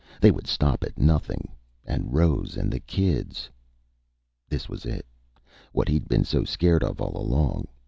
They would stop at nothing. And Rose and the kids.... This was it. What he'd been so scared of all along.